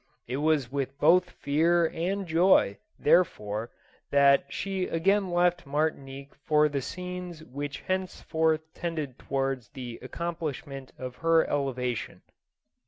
It was with both fear and joy, therefore, that she again left Martinique for the scenes which henceforth tended towards the accom plishment of her elevation.